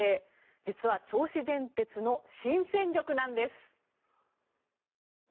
実は、銚子電鉄の新戦力なんです。